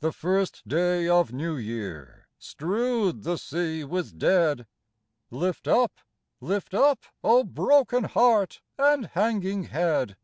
The first day of New Year strewed the sea with dead. Lift up, lift up, O broken heart and hanging head